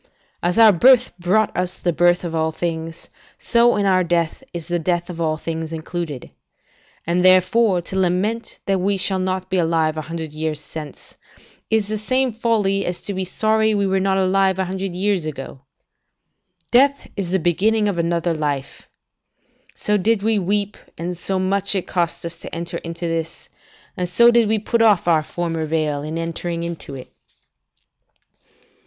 As our birth brought us the birth of all things, so in our death is the death of all things included. And therefore to lament that we shall not be alive a hundred years hence, is the same folly as to be sorry we were not alive a hundred years ago. Death is the beginning of another life. So did we weep, and so much it cost us to enter into this, and so did we put off our former veil in entering into it.